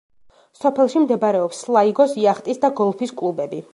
სოფელში მდებარეობს სლაიგოს იახტის და გოლფის კლუბები.